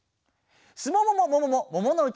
すもももももももものうち。